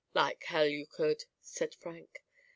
'Like hell you could,' said Frank.